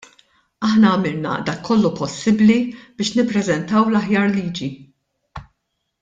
Aħna għamilna dak kollu possibbli biex nippreżentaw l-aħjar liġi.